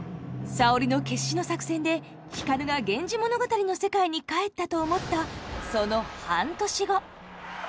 沙織の決死の作戦で光が「源氏物語」の世界に帰ったと思ったその半年後。